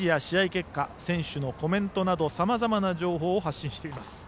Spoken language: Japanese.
結果選手のコメントなどさまざまな情報を発信しています。